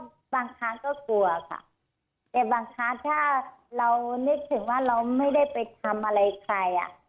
บางครั้งก็กลัวค่ะแต่บางครั้งถ้าเรานึกถึงว่าเราไม่ได้ไปทำอะไรใครอ่ะ